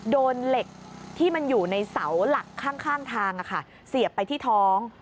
โดนเหล็กที่มันอยู่ในเสาหลักข้างทางเสียบไปที่ท้อง